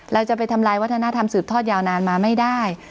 เราจะไปทำลายวัฒนธรรมสืบทอดยาวนานมาไม่ได้